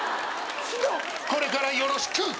これからよろしく！